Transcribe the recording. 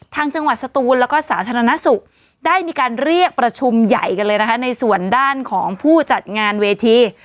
ทางจังหวัดสตูนแล้วก็สาธารณสุขได้มีการเรียกประชุมใหญ่กันเลยนะคะในส่วนด้านของผู้จัดงานเวที